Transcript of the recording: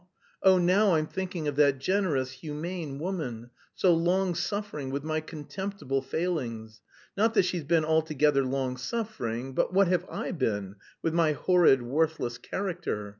Oh, now I'm thinking of that generous, humane woman, so long suffering with my contemptible failings not that she's been altogether long suffering, but what have I been with my horrid, worthless character!